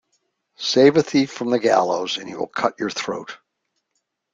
Save a thief from the gallows and he will cut your throat.